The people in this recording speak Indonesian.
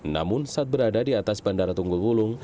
namun saat berada di atas bandara tunggul wulung